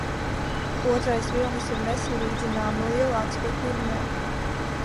Otrais vilnis ir nesalīdzināmi lielāks par pirmo.